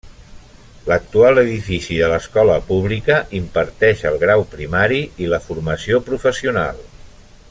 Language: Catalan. L'actual edifici de l'escola pública imparteix el grau primari i la Formació Professional.